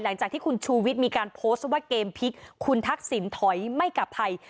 หลังจากที่คุณชูวิทย์มีการโพสต์ว่าเกมพลิกคุณทักษิณถอยไม่กลับไทย